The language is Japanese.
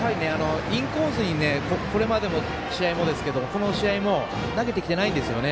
インコースにこれまでの試合もこの試合も投げてきてないんですよね。